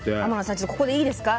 ちょっとここでいいですか？